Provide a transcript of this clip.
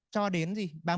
cho đến ba mươi